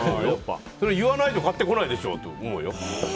それは言わないと買ってこないでしょと思うよ。